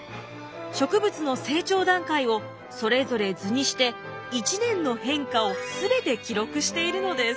植物の成長段階をそれぞれ図にして１年の変化を全て記録しているのです。